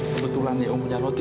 kebetulan ya om budaloti